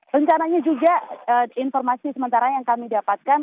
rencananya juga informasi sementara yang kami dapatkan